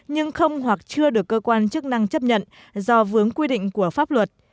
nhưng không hoặc chưa được cơ quan chức năng chấp nhận do vướng quy định của pháp luật